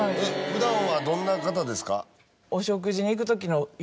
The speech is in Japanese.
普段はどんな方ですか？